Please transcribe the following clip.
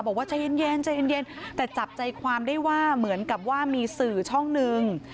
บอกว่าใจเย็นใจเย็นแต่จับใจความได้ว่าเหมือนกับว่ามีสื่อช่องนึง